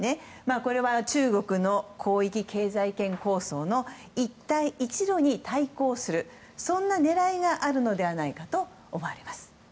これは中国の広域経済圏構想の一帯一路に対抗するそんな狙いがあるのではないかと思われます。